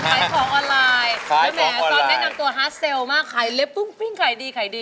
ขายของออนไลน์ใช่ไหมครับตอนนี้ต่างตัวฮาร์ดเซลล์มากขายเล็บปุ้งขายดี